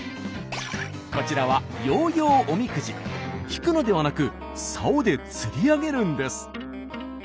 こちらは引くのではなく竿で釣り上げるんです。